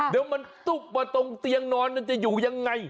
เดี๋ยวมันตุ๊บมาตรงเตียงนอนมันจะอยู่ยังไง